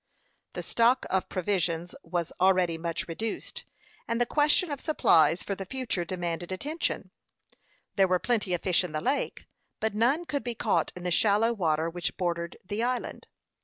The stock of provisions was already much reduced, and the question of supplies for the future demanded attention. There were plenty of fish in the lake, but none could be caught in the shallow water which bordered the island.